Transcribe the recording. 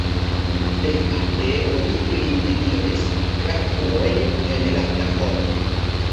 Plejparte oni ilin eniris tra truoj en la plafono.